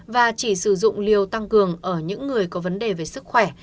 và chỉ sử dụng liều tăng cường ở những người có vấn đề về sức khỏe